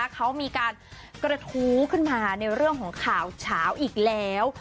เขามีการกระทู้ขึ้นมาในเรื่องของข่าวเฉาอีกแล้ว